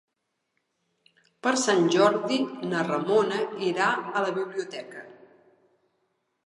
Per Sant Jordi na Ramona irà a la biblioteca.